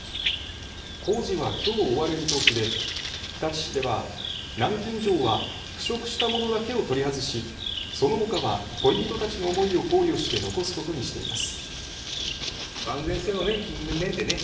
工事はきょう終わる見通しで日立市では南京錠は腐食したものだけを取り外し、そのほかは恋人たちの思いを考慮して残すことにしています。